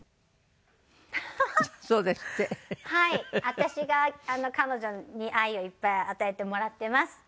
私が彼女に愛をいっぱい与えてもらっています。